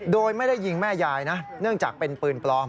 โดยไม่ได้ยิงแม่ยายนะเนื่องจากเป็นปืนปลอม